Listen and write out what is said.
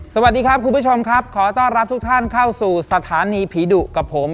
สวัสดีครับคุณผู้ชมครับขอต้อนรับทุกท่านเข้าสู่สถานีผีดุกับผม